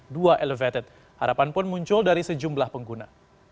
dua elevated harapan pun muncul dari sejumlah pengguna